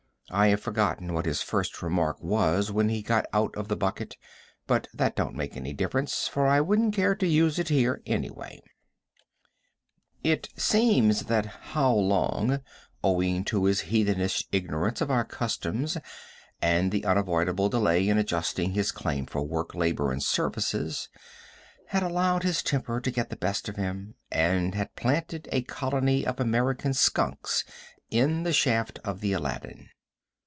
I have forgotten what his first remark was when he got out of the bucket, but that don't make any difference, for I wouldn't care to use it here anyway. [Illustration: I HAVE FORGOTTEN HIS FIRST REMARK.] It seems that How Long, owing to his heathenish ignorance of our customs and the unavoidable delay in adjusting his claim for work, labor and services, had allowed his temper to get the better of him, and he had planted a colony of American skunks in the shaft of the Aladdin.